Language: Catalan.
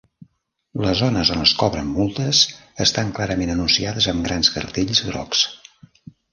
Les zones on es cobren multes estan clarament anunciades amb grans cartells grocs.